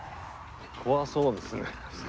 怖そうですね。